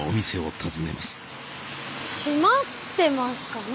閉まってますかね。